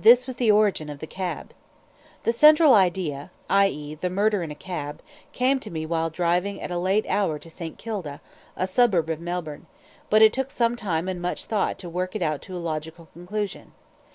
This was the origin of the "Cab." The central idea i.e. the murder in a cab came to me while driving at a late hour to St. Kilda, a suburb of Melbourne; but it took some time and much thought to work it out to a logical conclusion.